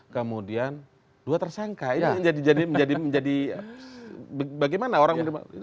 kemudian dua tersangka ini jadi jadi jadi jadi bagaimana orang menurut saya